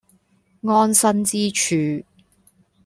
安身之處